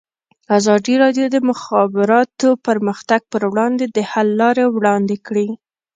ازادي راډیو د د مخابراتو پرمختګ پر وړاندې د حل لارې وړاندې کړي.